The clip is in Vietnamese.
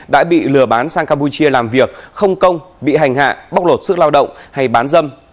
đã bị lừa bán sang campuchia làm việc không công bị hành hạ bóc lột sức lao động hay bán dâm